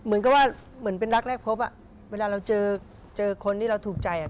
เหมือนกับว่าเหมือนเป็นรักแรกพบอ่ะเวลาเราเจอเจอคนที่เราถูกใจอ่ะ